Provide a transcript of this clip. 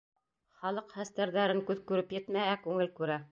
Халыҡ хәстәрҙәрен Күҙ күреп етмәһә, күңел күрә.